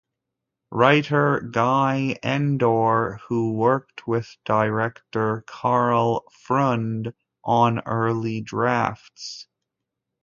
Writer Guy Endore, who worked with director Karl Freund on early drafts.